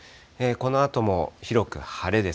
このあとも広く晴れです。